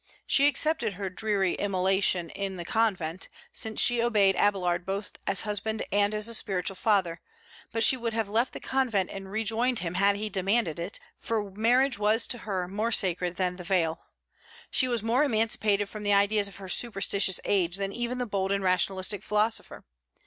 She accepted her dreary immolation in the convent, since she obeyed Abélard both as husband and as a spiritual father; but she would have left the convent and rejoined him had he demanded it, for marriage was to her more sacred than the veil. She was more emancipated from the ideas of her superstitious age than even the bold and rationalistic philosopher.